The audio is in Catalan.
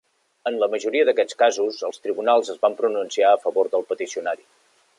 En la majoria d'aquests casos, els tribunals es van pronunciar a favor del peticionari.